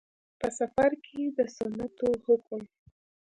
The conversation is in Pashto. په. سفر کې د سنتو حکم